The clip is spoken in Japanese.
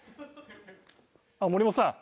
あっ森本さん。